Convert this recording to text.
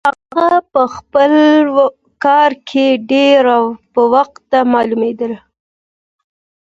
هغه په خپل کار کې ډېره بوخته معلومېدله.